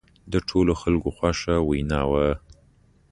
د ټولو خلکو خوښه وینا وه.